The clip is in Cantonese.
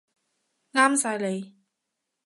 啱晒你